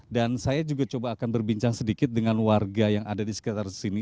dan saya juga coba akan berbincang sedikit dengan warga yang ada di sekitar sini